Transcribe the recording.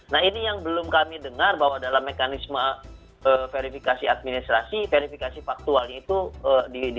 nah ini yang belum kami dengar bahwa dalam mekanisme verifikasi administrasi verifikasi faktualnya itu di